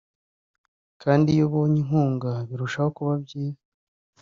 kandi iyo ubonye inkunga birushaho kuba byiza